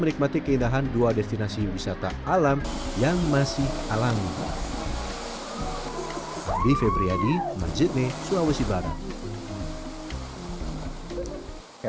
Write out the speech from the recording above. menikmati keindahan dua destinasi wisata alam yang masih alami di februari majikne sulawesi barat